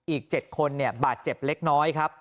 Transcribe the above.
อีก๗คนบาดเจ็บเล็กน้อยครับ